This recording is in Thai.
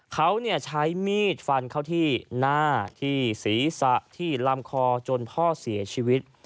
เขาใช้มีดฟันเข้าที่หน้าที่ศีรษะที่ลำคอจนพ่อเสียชีวิต